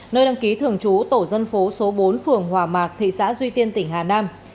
nơi đăng ký thường trú tổ dân phố số bốn phường hòa mạc thị xã duy tiên tỉnh hà nam